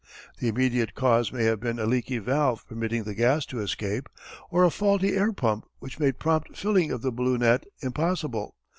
The immediate cause may have been a leaky valve permitting the gas to escape, or a faulty air pump which made prompt filling of the ballonet impossible.